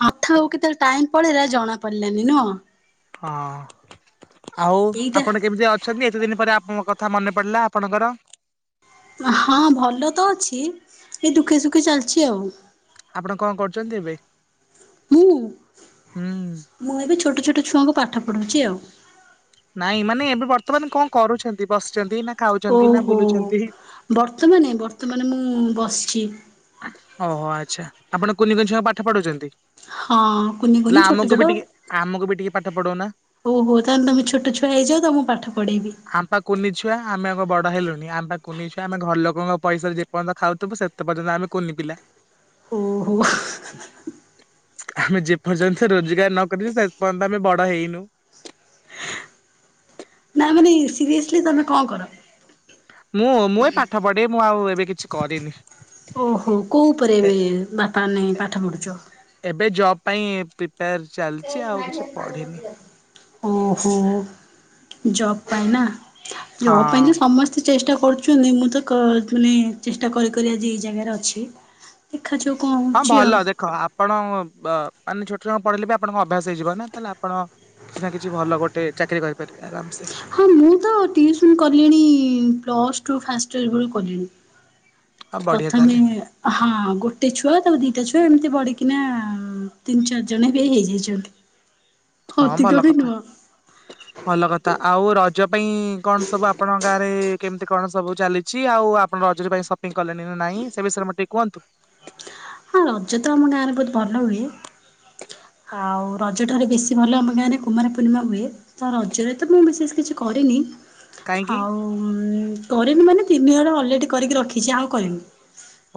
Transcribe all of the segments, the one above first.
ହଁ କଥାହୋଉ କେତେବେଳେ ଟାଇମ୍ ପଳେଇିଲା ଜଣା ପଡିଲାନି ନୁହଁ। ହଁ। ଆଉ ଏଇଟା ଆପଣ କେମିତି ଅଛନ୍ତି ଏତେ ଦିନ ପରେ ଆପଣଙ୍କ କଥା କଥା ମନେ ପଡିଲା ଆପଣଙ୍କର ହଁ ଭଲ ତ ଅଛି ଏ ଦୁଃଖେ ସୁଖେ ଚାଲିଛି ଆଉ। ଆପଣ କଣ କରୁଛନ୍ତି ଏବେ? ମୁଁ ହୁଁ ମୁଁ ଏବେ ଛୋଟ ଛୋଟ ଛୁଆଙ୍କୁ ପାଠ ପଢ଼ୁଛି ଆଉ ନାଇଁ ମାନେ ଏବେ ବର୍ତ୍ତମାନ କଣ କରୁଛନ୍ତି। ବସିଛନ୍ତି ନା। ଖାଉଛନ୍ତି ନା ଓହୋ ବୁଲୁଛନ୍ତି? ବର୍ତ୍ତମାନମାନେ ବର୍ତ୍ତମାନ ମୁଁ ବସିଛି। ଓହୋ ଆଚ୍ଛା ଆପଣ କୁନି କୋନିଙ୍ଗ ପାଠ ପଢ଼ୁଛନ୍ତି। ହଁ କୁନି କୁନି ଛୋଟ ଛଟ ଆମକୁ ବି ଟିକେ ପାଠ ପଢଉନା। ଓହୋ ତା ଏ। ତମେ ଛୋଟ ଛୁଆ ହେଇଯାଉ ତ ମୁଁ ପାଠ ପଢେଇବି। ଆମ ପା କୁନି ଛୁଆ ଆମେ ଆଙ୍କ ବଡ ହେଲୁଣି ଆମ ପା କୁନିଛୁ ଆମେ ଘର ଲୋକଙ୍କ ପଇସାାରେ ଯେ ପର୍ଯ୍ୟନ୍ତ ଖାଉଥିବୁ ସେତେ ପର୍ଯ୍ୟନ୍ତ ଆମେ କୁନି ପିଲା ଓହୋ ଆମେ ଯେପର୍ଯ୍ୟନ୍ତ ରୋଜଗାର ନ କରିଛୁ ସେ ପର୍ଯ୍ୟନ୍ତ ଆମେ ବଡ ହେଇନୁ। ସିରିଅସଲି ତମେ କଣ କର। ମୁଁ ମୁଁ ପାଠ ପଢେ ମୁଁ ଆଉ। ଏବେ କିଛି କରିନି। ଓହୋ କୋଉ ଉପରେ ଏବେ ବାପା ନେଇ ପାଠ ପଢୁଛ। ଏବେ ଜବ୍ ପାଇଁ ପ୍ରିପେୟାର। ଚାଲିଛି ଆଉ କିଛି ପଢିନି ହୁଁ ହୁଁ। ଜବ୍ ପାଇଁ ନା। ଯୋ ପାଇଁ ଯେ ହଁ। ସମସ୍ତେ। ଚେଷ୍ଟା କରୁଛୁ ମୁଁ ତ ମାନେ ଚେଷ୍ଟା କରି କରି ଆଜି ଏଇ ଜାଗାରେ ଅଛି। ଦେଖାଯାଉ କଣ ହଁ ହଉଛି ଆଉ। ଭଲ ଦେଖ ଆପଣ। ମାନେ ଛୋଟ ଜଣ ପଢେଇିଲେ ବି ଆପଣଙ୍କ ଅଭ୍ୟାସ ହେଇଯିବ ନା ତାହେଲେ ଆପଣ କିଛି ନା କିଛି ଭଲ ଗୋଟେ ଚାକିରି କରିପାରିବେ ଆରାମସ। ହଁ ମୁଁ ତ ଟିଉସନ କଲିଣି ପ୍ଲସ୍ ଟୁ ଫାଷ୍ଟ ୟର କଲିଣି। ଆଉ ବଢିଆ ପ୍ରଥମେ ତାହେଲେ ହଁ ଗୋଟେ ଛୁଆ ତାକୁ ଦିଟା ଛୁଆ ଏମିତି। ବଢିକିନା ତିନି ଚାରି ଜଣ ବି ହେଇଯାଇଛନ୍ତି। ହଁ ଅଧିକ ଭଲ ବି କଥା ନୁହଁ ଭଲ କଥା ଆଉ ର। ପାଇଁ କଣ ସବୁ ଆପଣଙ୍କ ଗାଁରେ। କେମିତି କଣ ସବୁ ଚାଲିଛି ଆଉ ଆପଣ ରଜୁରୀ ପାଇଁ ସପିଙ୍ଗ କଲେଣି ନା ନାହିଁ ସେ ବିଷୟରେ ମେ ଟିକେ କୁହନ୍ତୁ। ହଁ ରଜ ତ ଆମ ଗାଁରେ ବହୁତ ଭଲ ହୁଏ ଆଉ ରଜ ଠାରୁ ବେଶୀ ଭଲ ଆମ ଗାଁରେ କୁମାରୀ ପୂର୍ଣ୍ଣିମା ହୁଏ ତ ରଜରେ ତ ମୁଁ ବିଶେଷ କିଛି କରିନି। କାହିଁକି ଆଉ କରେନୁ ମାନେ। ତିନି ଗଟେ ଅଲରେଡ଼ି କରିକି ରଖିଛି ଆଉ କରିନି।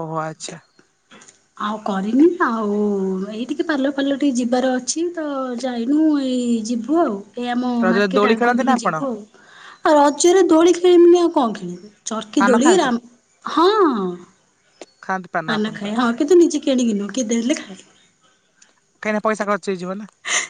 ଓୋ ଆଚ୍ଛା। ଆଉ କରିନି ଆଉ ଏଇ ଟିକେ ପାର୍ଲର ଫାର୍ଲର ଟିକେ ଯିବାର ଅଛି ତ ଯାଇନୁ ଏଇ ଯିବୁ ଆଉ। ଏଇ ଆମ ରଜରେ ମାର୍କେଟ ଦୋଳି ଆଗକୁ ଖେଳନ୍ତି ନା ଟିକେ ଆପଣ ଯିବୁ ଆଉ ଆଉ ରଜରେ ଦୋଳି ଖେଳିମନି ଆଉ କଣ ଖେ। [inaudible] ଚର୍କି ପାନ ଦୋଳି ଖାଆନ୍ତି ହଁ। ଖାଆନ୍ତି ପାନ ଆପଣ ଖାଇ ତାହେଲେ ହଁ କିନ୍ତୁ ନିଜେ କିଣିକି ନୁହେଁ। କିଏ ଦେଲେ ଖାଏ। କାଇନା ପଇସା ଖଚ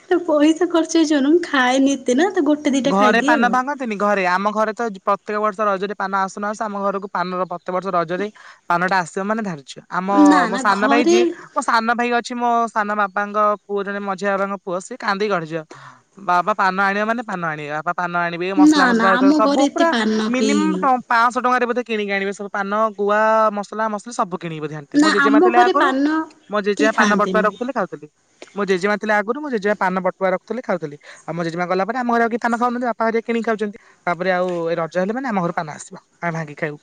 ତ ପଇସା ଖର୍ଚ୍ଚ ହେଇ ଖାଏ ନିତି ନା ତ ଗୋଟେ ଦିଟା ଘରେ ଖାଇଦିଏ ଆଉ। ପାନ ଭାଙ୍ଗନ୍ତିନି ଘରେ ଆମ ଘରେ ତ ପ୍ରତ୍ୟକ ବର୍ଷ ରଜରେ ପାନ ଆସୁନା ଆସ ଆମ ଘରକୁ ପାନର ପ କେତେ ବର୍ଷ ରଜରେ ପାନଟା ଆସି ସେମାନେ ଧାର ଆମ ନା ମୋ ନା ସାନ ଭାଇ ଘରେ ଯିଏ ମୋ ସାନ ଭାଇ ଅଛି ମୋ ସାନ ବାପାଙ୍କ ପୁଅ ଜଣେ ମଝିଆ ବାବାଙ୍କ ପୁଅ ସିଏ କାନ୍ଦି ଗଢିଯିବ ବାବା ପାନ ଆଣିବ ମାନେ ଧାନଆଣି ବା ପାନ ଆଣିବେ ନା ମସଲା ନା ଫସଲା ଆମ ହେଇ ସବୁ ଘରେ ଏତେ ପୁରା ପାନ ମିନିମମ୍ କେହି ପାଞ୍ଚଶହ ଟଙ୍କାରେ ବଧ କିଣିକି ଆଣିବେ ସବୁ ପାନ ଗୁଆ ମସଲା ମସଲି ସବୁ କିଣିବି ଥାଆନ୍ତି ନା ମୋ ଜେଜେମା ଆମ ଘରେ ଆଗରୁ ପାନ ମଁ କେହି ଜେଜେଆ ପାନ ବଟା ଖାଆନ୍ତିନି। ରଖୁଥିଲ ଖାଉଥିଲି। ମୋ ଜେମା ଥିଲା ଆଗରୁ ମୁଁ ଜେମା ପାନ ବଟୁଆ ରଖୁଥିଲ ଖାଉଥିଲ ଆଉ ମୋ ଜେମା ଗଲା ଆମ ଘରେ ଆ ପାନା ଖାଉହାନ୍ତି ବାପା ଘ କିଣି ଖାଉଛନ୍ତି ତାପରେ ଆଉ ରଜ ହେଲେ ମାନେ ଆମ ଘର ପାନ ଆସିବ ଆମେ ଭାଙ୍ଗିକି ଖାଇବୁ।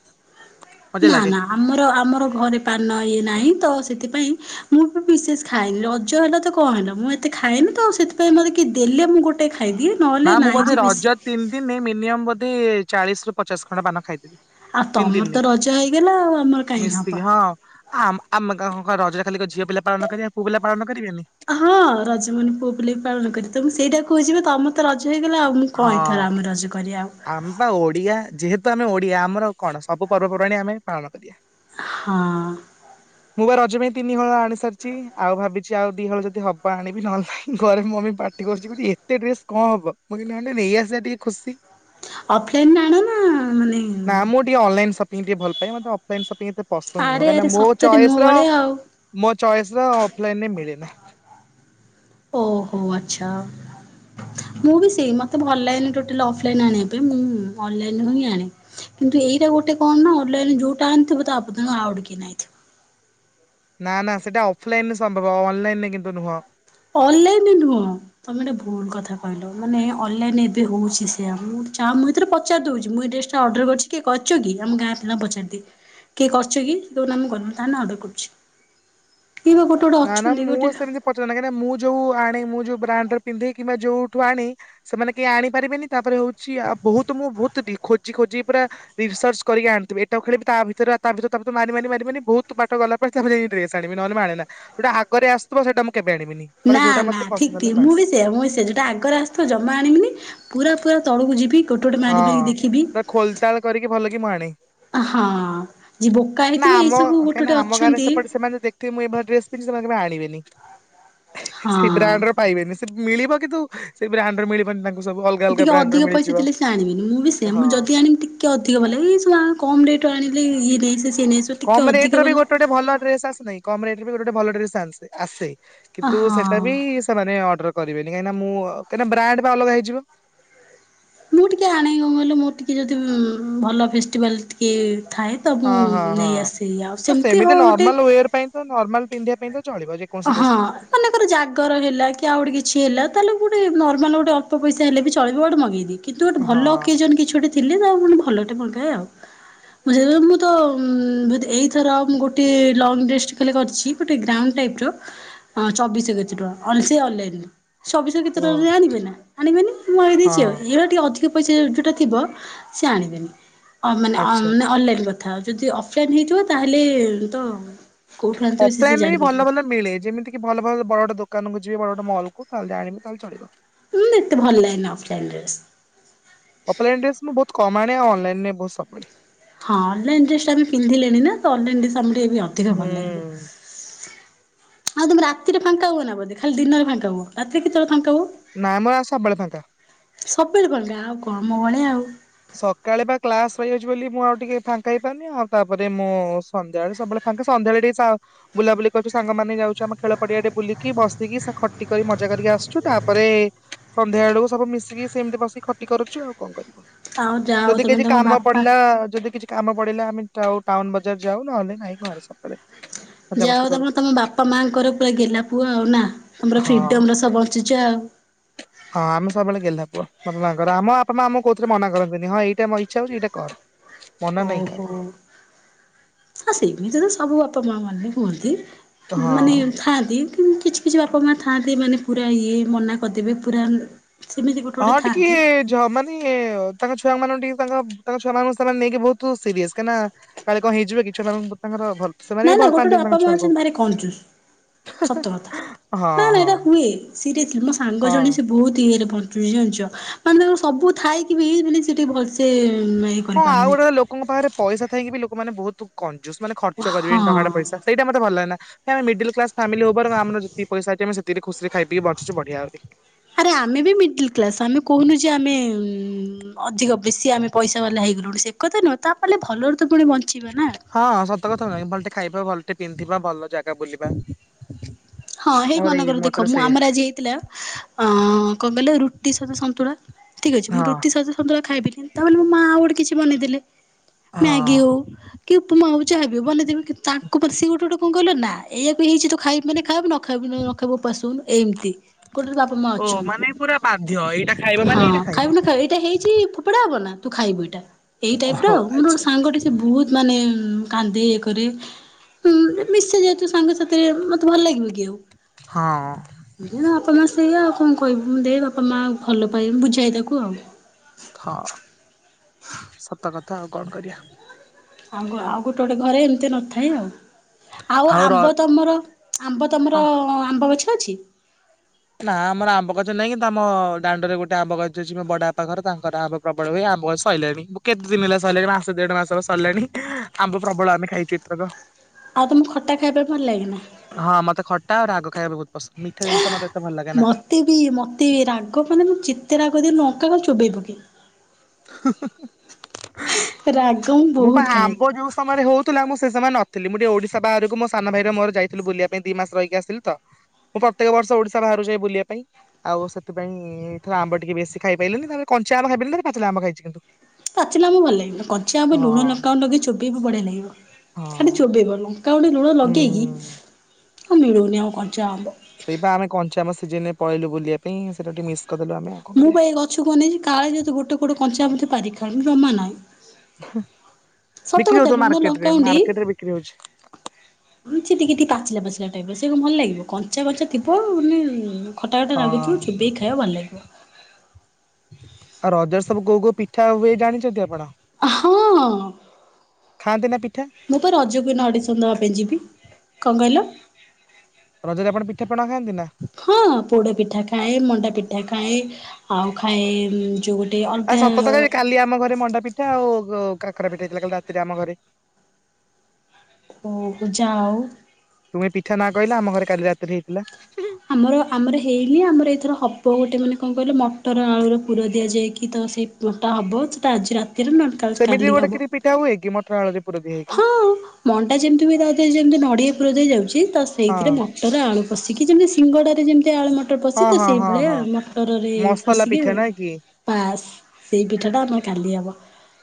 ମଜା ନା ଲାଗେ। ନା ଆମର ଆମର ଘରେ ପାନ ଇଏ ନାହିଁ ତ ସେଥିପାଇଁ ମୁଁ ବି ବିଶେଷ ଖାଇନି ରଜ ହେଲା ତ କଣ ହେଲା ମୁଁ ଏତେ ଖାଇଏନି ତ ସେଥିପାଇଁ ମତେ କି ଦେଲେ ମୁଁ ଗୋଟେ ଖାଇଦିଏ ନହେଲେ ନା ମୁଁ ନାହିଁ ବୋଧେ ଯେ ବେଶୀ ରଜ ତିନି ଦିନ ମିନିଅମ ଯ ଚାଳିଶ ରୁ ପଚାଶ ଖଣ୍ଡ ପାନ ଖାଇଦେବି। ଆଉ ତିନି ତମର ଦିନରେ ତ ରଜ ହେଇଗଲା ଆଉ ଆମର କାହିଁ ମିଶିକି ହବ। ହଁ। ଆମ ଆମେ ରଜରେ ଖାଲି ଝିଅ ପିଲା ପାଳନ କରିବେ ପୁଅ ପାଳନ କରିବେନି ହଁ ରଜ ମନ ପୁଅ ପୁଲା ବି ପାଳନ କରି ତ ମୁଁ ସେଇଟା କହୁଛିିବା ତମର ର ରଜ ହେଇଗଲା ଆଉ ମୁଁ କହିଥାଥିଲା ଆମେ ରଜ କରି ଆଉ। ଆମ ବା ଓଡିଆ ଯେହେତୁ ଆମେ ଓଡିଆ ଆମର କଣ ସବୁ ପର୍ବପର୍ବାଣି ଆମେ ପାଳନ କରିବା। ହଁ। ତିନିହଳ ଆଣି ସାରିଛି ଆଉ ଭାବିଛି ଆଉ ଦି ହଳ ଯଦି ହବ ଆଣିବି ନହେଲୋଇ ଘରେ ମମି ପାଟି କରୁଛିେ ଏତେ ଡ୍ରେସ କଣ ହବ ମୁଁ ନେଇ ଆସିବା ଟିକେ ଖୁସି। ଅଫଲାଇନରେ ଆଣ ନା ମାନେ ଟେ ଭଲ ପାଇ ଅଫଲାଇନ ସପି ପସନ୍ଦ ଆରେ ନୁହଁ କାହିଁକିନା ଆରେ ମୋ ସତରେ ମୋ ଚଏସ ର ଭଳିଆ ଆଉ ମୋ ଚଏସ ର ଅଫଲାଇନରେ ମିଳେ ନା। ଓହୋ ଆଛା ମୁଁ ବି ସେଇ ମତେ ଭଲ ଲନଟା ଅଫଲାଇନ ଆଣିବା ପାଇଁ ମୁଁ ଅନଲାଇନ ହିଁ ଆଣେ କିନ୍ତୁ ଏଇଟା ଗୋଟେ କଣ ନା ଅନଲନ ଯୋଉଟା ଆଣିଥିବ ତା ପର୍ଯ୍ୟନ୍ତ ଆଉ ଟଥିବ। ନା ନା ସେଇଟା ଅଫଲାଇନରେ ସମ୍ଭବ ଅନଲାଇନରେ କିନ୍ତୁ ନୁହଁ। ଅନଲାଇନରେ ନୁହଁ ତମେ ଗୋଟେ ଭଲ କଥା କହିଲ ମାନେ ଅନଲାଇନ ଏବେ ହଉଛି ସେୟଆ ମୁଁ ଚା ମୁଁ ଏରେ ପଚି ଦଉଛି ମୁଁ ଏ ଡ୍ରେସଟା ଅର୍ଡର କରିଛି କିଏ କରିଛ କି ଆମ ଗାଁ ପିଲା ପଚାରିଦି କିଏ କରିଛ କି ତାହନେ ଅଡର୍ର କରୁଛି। କିଏ ବା ଗୋଟେ ଗୋଟେ ନା ନା ଅଛନ୍ତି ମୂ ଗୋଟେ ସେମିତି ପଚ ମୁଁ ଯୋଉ ଆଣେ ମୁଁ ଯୋଉ ବ୍ରାଣ୍ଡରେ ପିନ୍ଧି କିମ୍ବା ଯୋଉଠୁ ଆଣେ ସେମାନେ କେହି ଆଣିପାରିବେନି ତାପରେ ହଉଛିଉ ବହୁତ ମୁଁ ବହୁତ ଖୋଜି ଖୋଜି ପୁରା ରିସର୍ଚ କରିକି ଆଣିଥିବି ଏଇଟା ଖେଳିବ ତା ଭିତରେ ତା ଭିତରେ ତାପରେ ମାରି ମାରି ମାରିବନି ବହୁତ ବାଟ ଗଲା ପରେ ତା ଯି ଡ୍ରେସ ଆଣିବି ନହେଲେ ଆଣେ ନା। ସେଉଟା ଆଗରେ ଆସିବ ସେଟା ମୁଁ ମାନେ ନା ଯୋଉଟା ନା ମତେ ପସନ୍ଦ ଠିକ ହେଲା ଠିକ ମୁଁ ବାସ୍ ବି ସେିଏ ମୁଁ ବି ସେିଏ ଯୋଟା ଆଗରେ ଆସଥ ଜମା ଆଣିବିନି ପୁରା ପୁରା ତଳକୁ ଯିବି। ଗୋଟେ ଗୋଟେ ମାରି ମାରିକି ଦେଖିବି ହଁ ଖୋଲତାଳ କରିକି ଭଲ କି ମୁଁ ଆଣେ ହଁ ଯିଏ ବୋକା ହେଇଥିବ ନା ଏଇ ଆମ ସବୁ ଗୋଟେ କାହିଁକି ଗୋଟେ ନା ଆମ ଗାଁରେ ଅଛନ୍ତି ସେପଟେ ସେମାନେ ଦେଖିବେ ମୁଁ ଏଇଳି ଡ୍ରେସ ପିନ୍ଧି ସେମାନେ କେ ଆଣିବେନି। ହଁ। ସେ ବ୍ରାଣ୍ଡ ର ପାଇବେନି ସେ ମିଳିବ କିନ୍ତୁ ସେ ବ୍ରାଣ୍ଡରେ ମିଳିବନି ତାଙ୍କ ଟିକେ ଅଧିକ ପଇସା ଥିଲେ ସେ ଆଣିବିନି ମୁଁ ବି ସେ ହଁ ମୁଁ ଯଦି ଆଣିକି ଟିକେ ଅଧିକ ଭଲ ଏଇୁ କଣ ଆଣିଲେ ଇଏ ସିଏ ନେଇଆସିବ ଟିକେ କମ ଅଧିକ ରେଟ ର ବି ବାଲା ଗୋଟେ ଗୋଟେଲ ଡ୍ରେସ ଆସନାହିଁ କମ ରେଟ୍ ବି ଗଟେ ଭଲ ଟନ୍ସ ଆସେ କିନ୍ତୁ ସେଟା ହଁ ବି ସେମାନେ ଅର୍ଡର କରି କହିଁ ମୁଁ ବ୍ର ଅଲଗା ହେଇଯ ମୁଁ ଟିକେ ଆଣେଇ କ କହିଲେ ମୋର ଟିକେ ଯଦି ଭଲ ଫେଷ୍ଟିଭାଲ ଟିକେ ଥାଏ ତ ହଁ ମୁଁ ହଁ ନେଇ ଆସେ ଆଉ ହଁ ହଁ ସେମିତି ଗୋଟେ ନର୍ମାଲ ୱର ପାଇଁ ତ ନର୍ମାଲ ପିନ୍ଧିବା ପାଇଁ ତ ଚଳିବ ଯେକୌଣସି ହଁ ଡ୍ରେସ ମାନେକର ଜାଗର ହେଲା କି ଆଉ ଗୋଟେ କିଛି ହେଲା ତାହେଲେ ଗୋଟେ ମାନ ଗୋଟେ ଅଳ୍ ପଇସ ହେଲେ ବି ଚଳିବ ଗୋେଗେଇଦି କିନ୍ତୁ ଗୋଟେ ହଁ ଭଲ ଓକେଜନ କିଛି ଗୋଟେ ଥିଲେ ନା ପୁଣି ଭଲଟେ ପଙ୍କାଏ ଆଉ ମୁଁ ସେଥିପାଇଁ ମୁଁ ତ ଏଇଥର ଆ ମୁଁ ଗୋଟେ ଲଙ୍ଗ୍ ଡ୍ରେଷ୍ଟ କଲେ କରିଛି ଗୋଟେ ଗ୍ରାଉଣ୍ଡ ଟାଇପ୍ର ହଁ ଚବିଶ କେତେ ଟଙ୍କା ଅ ଅନ [inaudible] ସବିଷ ଓ କେଷତେଟଳେରେ ଆଣିବେ ନା ଆଣିବେନି ମୁଁ ଆଇ ଦେଇଛି ହଁ ଆଉଇ ଟିକେ ଅଧିକ ପଇସା ଯେଉଁଟା ଥିବ ସେ ଆଣିବେନି ଅ ମାନେ ଆଚ୍ଛା ମେ ଅନଲାଇନ୍ କଥା ଥା ଯଦି ଅଫଲାଇନ୍ ହେଇଥିବ ତାହେଲେ ତ କୋଉଠୁ ଆଣିଥିବେ ସେ ସେ ଅଫ୍ଲାଇନ ରେ ବି ଭଲ ଜାଣିପାରିବେନି ଭଲ ମିଳେ ଯେମିତି କି ଭଲ ଭଲ ବଡ ଦୋକାନକୁ ଯିବି ବୋେ ମଲ କୁ ତାହେଲେ ଆଣିବି ତାହେଲେ ଚଳିବ ହୁଁ ଏତେ ଭଲ ଲାଗେନ ଅଫଲାଇନ କମାଣେଉ ଅନାଇନ ନେ ବହୁତ ସଳେ ହଁ ଅଲାଇଣ୍ଡ ୍ରେସ ଟାେ ପିନ୍ଧିଲେଣି ନା ତ ଅ [inaudible] ଟ ବି ଆଧିକ ଭଲଲେ ହୁଁ। ଆଉ ତମେ ରାତିରେ ଫାଙ୍କା ହୁବ ନା ବୋଧେ ଖାଲି ଦିନରେ ଫାଙ୍କ ହବ ରାତିରେ କେତେବେଳେ ଫାଙ୍କା ହବ ନାାଇଁ ମୁ ଆସ ବଳ ଫାଙ୍କା ସବୁବେଳେ ପଣ ଆଉ କଣ ମ ଭଳିଆ ଆଉ ସକାଳେ ବା କ୍ଲାସ ରହିଯାଉଛି ବୋଲି ମୁଁ ଆଉ ଟିକେ ଫାଙ୍କା ହେଇପାରୁନି ଆଉ ତାପରେ ମୁଁ ସନ୍ଧ୍ୟା ବେଳେ ସବୁବେଳେ ଫାଙ୍କା ସନ୍ଧ୍ୟାବେଳେ ଟିକେ ବୁଲାବୁଲି କରୁଛୁ ସାଙ୍ଗମାନୋନେ ଯାଉଛୁ ଆମ ଖେଳ ପଡିଆ ଟେ ବୁଲିକି ବସିକି ଖଟିିକ ମଜା କରିକି ଆସୁ ତାପରେ ସନ୍ଧ୍ୟା ବେଳକୁ ସବୁ ମିଶିକି ସେମିତି ବସିକି ଖଟି କରୁଛୁ ଆଉ କଣ କରିବ ଆଉ ଯାଅ ଯଦି ତମେ କିଛି ତମ କାମ ବାପା ପଡିଲା, ଯଦି କିଛି କାମ ପଡିଲା ଆମେ ଯାଉ ଟାଉନ ବଜାର ଯାଉ ନହେଲେ ନାହି ଘରେ ସବୁବେଳେ । ଯାହା ହଉ ତମେ ତମ ବାପା ମା ମାଙ୍କର ପୁରା ଗେଲ୍ହା ପୁଅ ଆଉ ନା, ତମର ହଁ। ଫ୍ରିଡମର ସହ ବଞ୍ଚିଛ ଆଉ । ହଁ ଆମେ ସବୁବେଳେ ଗେଲ୍ହା ପୁଅ, ବାପା ମା'ଆଙ୍କର ଆମ ବାପା ମା ଆମକୁ କୋଉଥିରେ ମନା କରନ୍ତିନି ହଁ ଏଇଟା ଆମ ଇଚ୍ଛା ହଉଛି ଏଇଟା କର । ଓହୋ, ଆ ସେମିତି ତ ସବୁ ବାପା ମା ମାନେ କୁହନ୍ତି, ମାନେ ହଁ। ଥାଆନ୍ତି, କିଛି କିଛି ବାପା ମା ଥାଆନ୍ତି ମାନେ ପୁରା ଇଏ ମନା କରିଦେବେ ପୁରା ସେମିତି ଗୋଟେ ଗୋଟେ ହଁ ଟିକେ ଥାଆନ୍ତି ଯଉ ମାନେ ତାଙ୍କ ଛୁଆ ମାନ ଟିକେ ତାଙ୍କ ତାଙ୍କ ଛୁଆ ମାନଙ୍କୁ ସେମାନେ ନେଇକି ବହୁତ ସିରିୟସ୍, କାହିନା କାଳେ କଣ ହେଇଯିବ କି ଛୁଆ ତାଙ୍କର ଭଲ ସେମାନେ ନା ବି ନା ଭଲ ଗୋଟେ ପାଆନ୍ତି ଗୋଟେ ତାଙ୍କ ବାପା ମା ଛୁଆଙ୍କୁ। ଅଛନ୍ତି ଭାରି କଞ୍ଜୁଶ ସତ କଥା, ହଁ ନା ନା ହଁ ଏଇଟା ହୁଏ ସିରିଏସଲି ମୋ ସାଙ୍ଗ ଜଣେ ହଁ। ସେ ବହୁତ ଇଏରେ ବଞ୍ଚ ବଞ୍ଜି ଜାଣିଛ, ମାନେ ତାଙ୍କର ସବୁ ଥାଇକି ବି ଏଭଳି [inaudible] ହଁ, ଆଉ ଗୋଟେ ଲୋକଙ୍କ ପାଖରେ ପଇସା ଥଇକି ବି ଲୋକମାନେ ବହୁତ [unintelligible] ଯୋଉ ସବୁମାନେ ଖର୍ଚ୍ଚ ହଁ କରିବେନି ଟଙ୍କାଟା ପଇସା ସେଇଟା ମତେ ଭଲ ଲାଗେନା । ଆମେ ମିଡିିଲ୍ କ୍ଲାସ ଫାମିଲି ଉପର ଆମର ଯେତିକି ପଇସା ଅଛି ଆମେ ସେତ ସେତିକି ଖୁସିରେ ଖାଇ ପିଇକି ବଞ୍ଚିଛୁ ବଢ଼ିଆ ଭାବେ। ଆରେ ଆମେ ବି ମିଡିଲ କ୍ଲାସ ଆମେ କହୁନୁ ଯେ ଆମେ ଉଁ ଅଧିକ ବେଶି ଆମେ ପଇସା ବାଲା ହେଇଗଲୁଣି ସେ କଥା ନୁହଁ ତାପାଳେ ଭଲରୁ ହଁ ସତ କଥା ନାଇ ଭଲଟା ଖାଇବା ଭଲ ଟେ ପିନ୍ଧିବା ଭଲ ଜାଗା ବୁଲିବା, ହଁ ହେଇ ମୋର ଏଇ ମନେକର ଦେଖ ମତରେ ମୁଁ ସେ ଆମର ଆଜି ହେଇଥିଲା ଆଁ କଣ କହିଲ ରୁଟି ସହିତ ସନ୍ତୁଳା ଠିକ ଅଛି ମୁଁ ହଁ ରୁଟି ସହିତ ସନ୍ତୁଳା ଖାଇପରିବିନି ତା ବୋଲି ମୋ ମା ଆଉ ଗୋଟେ କିଛି। ବନେଇଦଲେ । ମ୍ୟାଗି ହଉ ହଁ। କି ଉପମା ହଉ ଯହାବି ହଉ ବନେଇ ଦେବେ କିନ୍ତୁ ତାଙ୍କ ପରେ ସେ ଗୋଟେ । କଣ କଇଲ ନା ଏଇାଆକୁ ହେଇଛି ତୁ ଖାଇବୁ ମାନେ । ଖାଇବୁ ନଖାଇବୁ ନ -ନଖାଇବୁ ଓପାସ ଶୋଉନୁ ଏମିତି । କୋଟରେ ବାପା ମା ଓ ଅଛନ୍ତି ମାନେ ପୁରା ବାଧ୍ୟ ଏଇଟା ଖାଇବ ମାନେ ହଁ ଏଇଟା ଖାଇବ ଖାଇବୁ ନା ଖାଇବୁ ଏଇଟା ହେଇଛି ଫୋପଡା ହବ ନା । ତୁ ଖାଇବୁ ଏଇଟା । ଏଇ ଟାଇପ ର ଓହୋ ଆଉ ମୋର ଗୋଟେ ଆଚ୍ଛା ସାଙ୍ଗ ଟେ ସେ ବହୁତ ମାନେ । କାନ୍ଦେ ଇଏ କରେ ମିଶେ ଜେହେତୁ ସାଙ୍ଗ ସାଥିରେ ମ ତେ ଭଲ ଲାଗିବ କି ଆଉ ହଁ। । [unintelligible] ଆପଣ । ଦେ ଆଉ କଣ କହିବୁ ଦେ ବାପା ମାଆ ଭଲ ପାଇବୁ ବୁଝାଏ ତାକୁ ଆଉ । ହଁ ସତ କଥା ଆଉ କଣ କରିବା । ଆଉ ଗୋ ଆଉ ଗୋଟେ ଗୋଟେ ଘରେ ଏମିତି ନଥାଏ ଆଉ । ଆଉ ଆମ୍ବ ତମର ଆମ୍ବ ହଁ ତମର ଆମ୍ବ ବଛ ଅଛି। ନା ଆମର ଆମ୍ବ ଗଛ ନାହିଁ କିନ୍ତୁ ଆମ ଦାଣ୍ଡରେ ଗୋଟେ ଆମ୍ବ ଗଛ ଅଛି ମୋ ବଡା ପାଖରେ ତାଙ୍କର ଆମ୍ବ ପ୍ରବଳ ହୁଏ ଆମ୍ବ ଗଛ ସରିଲାଣି ମୁଁ କେତେ ଦିନ ହେଲା ସରିଲାଣି ମାସ ଦେଢ ମାସ ହେବ ସରିଲାଣି ଆମ୍ବ ପ୍ରବଳ ଆମେ ଖାଇଛୁ ଏଥରକ। ଆଉ ତମକୁ ଖଟା ଖାଇବା ପାଇଁ ଭଲ ଲାଗେ ନା? ହଁ ମତେ ଖଟା ଆଉ ରାଗ ଖାଇବା ବହୁତ ପସନ୍ଦ ମିଠା ଜିନିଷ ମତେ ଲାଗେ ନା। ମତେ ବି ମତେ ବି ରାଗ ମାନେ ମୁ ଚିତେ ରାଗ ଦ ଲଙ୍କା କଣ ଚୋବେେଇବି ବୋଗି ରାଗ ମୁଁ ମୋ ପା ବହୁତ ଖାଏ। ଆମ୍ବ ଯୋଉ ସମ--ୟରେ ହଉଥିଲା ମୁଁ ସେମାନେ ନଥିଲି ମୁଁ ଟିକେ ଓଡିଶା ବାହାରକୁ ମୋ ସାନ ଭାଇ ମୋର ଯାଇଥିଲି ବୁଲିବା ପାଇଁ ଦି ମାସ ରହିକି ଆିଲି ତ ମୁଁ ପ୍ରତ୍ୟେକ ବର୍ଷ ଓଡିଶା ବାହାରାରୁକୁ ଯାଇ ବୁଲିବା ପାଇଁ ଆଉ ସେଥିପାଇଁଇରେ ଆମ୍ବ ଟିକେ ବେଶୀ ଖାଇପାରିଲନି ତାେ କଞ୍ଚି ଆମ୍ବ ଖାଇ ପାରି ଖ ଆମ ଖାଇଛି କିନ୍ତୁ? ପାଚିଲା ଆମେ ଭଲ ଲାଗିବ କଞ୍ଚିଆ ଆମେ ହଁ। ଲୁଣ ଲଗା ଲଗେଇ ଚୋବେେଇବ ବଢିଆ ଲାଗିବ ହଁ ଖାଲି ଚୋବେେଇବନୁଁ। କାଉଟି ଲୁଣ ଲଗେଇକି ହୁଁ। ଆଉ ମିଳୁନି ଆଉ କଣଚ ଆମବ ସେଇପ ଆମେ କଞ୍ଚାମ ସିଜିନ ପଳଲୁ ବୁଲିବା ପାଇଁ ସେଟା ଟିକେ ମିଶ ମୁଁ ବା ଏଇ ଗଛକୁ ବନେଇଛି କାଳେ ଯଦତି ଗୋଟେ ଗୋଟେ କଞ୍ଚା ମତେ ପାରି ଖା ରମା ନହି। ହଁ ସତ କଥା ଲୁଣ ଲଙ୍କାଉଡି ବିକ୍ରି ହଉଛି। ସେ ଟେ ଟିକେ। ପାଚିଲା ପାଚିଲା ଟାଇପ ସେୁ ଭଲ ଲାଗ । କଣ କଚା କଚା ଥିବ ମାନେ ଖଟା ଖଟା ହଁ। ଲାଗୁଥିବ ଚୋବେଇକ ଖାଇବା ଭଲ ଲାଗିବ । ଆଉ ରଜ ସବୁ କୋଉ କୋଉ ପିଠା ହୁଏ ଜାଣିଛନ୍ତି ଆପଣ? ହଁ ଖାଆନ୍ତି ନା ପିଠା ମୁଁ ତ ରଜକୁ ନଡିସ ଦେବା ପାଇଁ ଯିବି । କଣ କହିଲ? ରଜଦପଣ ପିକର ହଁ ପୋଡା ପିଠା ଖାଏ ମଣ୍ଡା ପିଠା ଖାଏ । ଆଉ ଖାଏ ଯେଉଁ ଗୋଟେ ଆଉ ଅଲଗା ସତତକ କାଲି ଆମ ଘରେ ମଣ୍ଡା ପିଠା ଆଉ। ଉ କାକରା ପିଟେଇଥିଲା କାଲି ରାତିରେ ଆମ ଘରେ ଓ ଯାଅ ତୁମେ ପିଠା ନା କହିଲା ଆମ ଘରେ କାଲି ରାତିରେ ହେଇଥିଲା। ଆମର ଆମର ହେଇନି ଆମର ଏଇଥର ହବ ଗୋଟେ ମାନେ କଣ କହିଲେ ମଟର ଆଳୁ ର ପୁର ଦିଆଯାଇକି ତ ସେଇଟା ହବ ସେଟା ଆଜି ରାତି ସେମିତି କାଲି ଗୋଟେ ହବ କି ପିଠା ହୁଏ କି ମଟର ଆଳୁରେ ପୁର ଦିଆ ହେଇକି ହଁ ମଟା ଯେମିତି ବି ଦାଉ ଯେମତି ନଡିଆ ଦେଇ ଯାଉଛି। ହଁ ସେଇଥିରେ ମଟର ଆଳୁ ପଷିକି ସିଙ୍ଗଡାରେ ଯେମିତି ସେ ଆଳୁ ମଟର ପଶି ହଁ ତ ହଁ ହଁ ସେଇଭଳି ହଁ। ମଟରରେ ମସଲା ପଶିକି ପିଠା ନାଇଁ କି? ପାସ୍ ସେଇ ପିଠା ଟା ଆମର କାଲି ହବ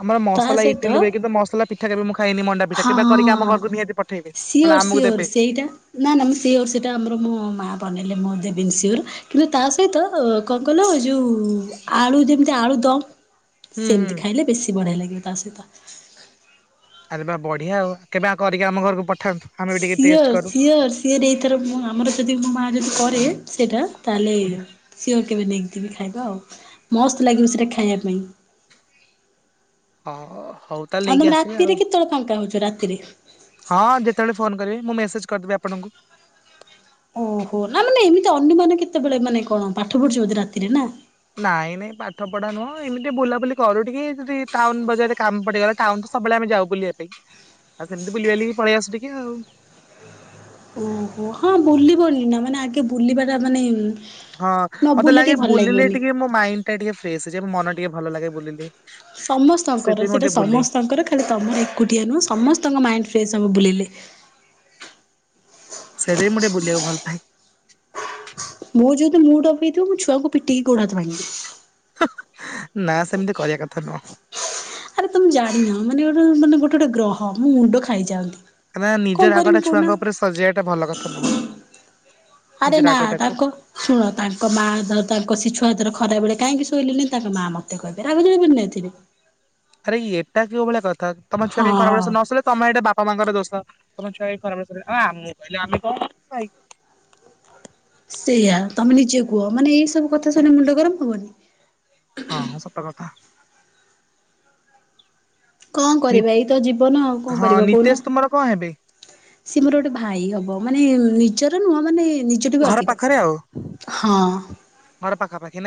ଆମର ତା ମସଲା ସହିତ ଇଟିଲି ହୁଏ କିନ୍ତୁ ମସଲା ପିଠା କେବେ ମୁଁ ଖାଇନି ମଣ୍ଡା ପିଠା କେବେ କରିକି ଆମ ହଁ ଘରକୁ ନିହାତି ପଠେଇବେ। ନହେଲେ ସିଓର ଆମକୁ ସିଓର ଦେବେ ସେଇଟା ନା ନା ମୁଁ ଓର ସେଇଟା ଆମର ବନେଇଲେ ମୁଁ ଦେବନ ସର କିନ୍ତୁ ତା ସହିତ କଣ କିଲ ଯୋଉ ଆଳୁ ଯେମିତି ଆଳୁ ଦମ ହୁଁ ହୁଁ ସେମିତି ଖାଇଲେ ବେଶୀ ବଢିଆ ଲାଗିବ ତା ସହିତ ଆରେ ବା ବଢିଆ ଆଉ କେବେ କରିକି ଆମ ଘରକୁ ପଠାନ୍ତୁ ଆମେ ବି ଟିକେ ଟେଷ୍ଟ ସିଓର କରୁ। ସିଓର ସିଏର ଏଇଥର ମୁଁ ଆମର ଯଦି ମୋ ମାଆ ଯଦି କରେ ସେଇଟା ତାହଲେ ସିଓ କେବେନିଙ୍ଗ ଖାଇବା ଆଉ ମସ୍ତ ଲାଗିବ ସେଟା ଖାଇବା ପାଇଁ ହଁ। ହଉ ତାହେଲେ ଆଉ ନେଇକି ତମେ ଆସିବି ଆଉ ରାତିରେ କେତେବେଳେ ଫାଙ୍କା ହଉଛ ରାତିରେ? ହଁ ଯେତେବେଳେ ଫୋନ କରିବି ମୁଁ ମେସେଜ କରିଦେବବେ ଆପଣଙ୍କୁ ଓହୋ ନା ମାନେ ଏମିତି ଅନ୍ୟମାନେ କେତେବେଳେ ମାନେ କଣ ପାଠ ପଢୁିବ ବଧ ରାତିରେ ନା? ନାଇଁ ନାଇଁ ପାଠ ପଢା ନୁହଁ ଏମିତି ବୁଲାବୁଲି କରୁ ଟିକେ ଯଦି ଟାଉନ ବଜାରରେ କାମ ପଡିଗଲା ଟାଉନ ତ ସବୁବେଳେ ଆମେ ଯାଉ ବୁଲିବା ପାଇଁ ଆଉ ସେମିତି ବୁଲିବା ପଳେଇ ଆସୁ ଟିକେ ଆଉ ଓହୋ ହଁ ବୁଲିବ ନିନା ମାନେ ଆଗେ ବୁଲିବା ତା ମାନେ ହଁ ନ ମତେ ବୁଲିଲେ ଲାଗେ ଟିକେ ଭଲ ବୁଲିଲେ ଲାଗିବନି। ଟିକେ ମୋ ମାଇଣ୍ଡ ଟା ଟିକେ ଫ୍ରେଶ ହେଇଯ ମନ ଟା ଟିକେ ଭଲ ଲାଗେ ବୁଲିଲେ ସମସ୍ତଙ୍କର ସେଥିପାଇଁ ମୁଁ ସେଇଟା ଟିକେ ବୁଲେ ସମସ୍ତଙ୍କର ଖାଲି ତମର ଏକୁଟିଆ ନୁହେଁ ସମସ୍ତଙ୍କ ମାଇଣ୍ଡ ସେ ସବୁ ବୁଲିଲି ସେଟ ମୁୋଟେ ବୁଲିବାକୁ ଭଲ ପାଏ ମୋର ଯେହେତୁ ମୁଡ଼ ଅପ ହେଇଥିବ ମୁଁ ଛୁଆକୁ ପିଟିକି ଗୋଡ଼ ହାତ ଭାଙ୍ଗିଦେବି ହଁ ନା ସେମିତି କରିବା କଥା ନୁହଁ। ଆରେ ତମେ ଜାଣିନ ମାନେ ଗୋଟେ ମାନେ ଗୋଟେ ଗୋଟେ ଗ୍ରହ ମୁଁ ମୁଣ୍ଡ ଖାଇଯାନ୍ତି। କାଁକ ନା ନିଜର ରାଗଟା ଛୁଆଙ୍କ ଉପରେ ସଜେଇବା ଟା ଭଲ କଥା ନୁହଁ ନିଜ ଆରେ ନା ରାଗଟାକୁ ତାଙ୍କ ଶୁଣ ତାଙ୍କ ମାର ତାଙ୍କ ଶିଶୁଆ ହାତାର ଖରା ବେଳେ କାହିଁକି? ଶୋଇି ତାଙ୍କ ମା ମତେ କହିବେ ରାଗ ନେଇାଇଥିବେ ଆରେ ଏଟା କେଉ ଭଳିଆ କଥା ତମ ଛୁଆ କହି ଖରା ହଁ ବଳେ ନଲେ ତମ ଏଟା ବାପା ମାଙ୍କର ଦୋଷ ତମ ଛୁଆ ଖରାପିଲ ମୁଁ କହିଲି ଆମେ କଣ ଭାଇ ସେଇଆା ତମେ ନିଜେ କୁହ ମାନେ ଏଇ ସବୁ କଥା ଶୁଣେ ମୁଣ୍ଡ ଗରମ ହବନି। ହଁ ହଁ ସତ କଥା କଣ କରିବା ଏଇ ତ ଜୀବନ ଆ କଣ ହଁ କରିବା କହୁନ ନିତେଶ ତୁମର କଣ ହେବେ ସିଏ ମୋର ଗୋଟେ ଭାଇ ହବ ମାନେ ନିଜର ନୁହଁ ମାନେ ନିଜଠୁ ବି ଘର ଅଧିକ ପାଖରେ ଆଉ ହଁ ଘର ପାଖାପାଖି ନା?